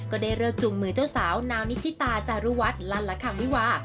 ก็ได้เลิกจูงมือเจ้าสาวนาวนิธิตาจารุวัฒน์ลันละคังวิวา